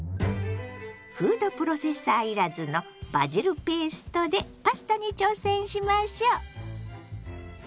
フードプロセッサー要らずのバジルペーストでパスタに挑戦しましょ！